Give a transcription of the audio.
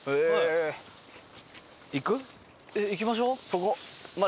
行く？行きましょう。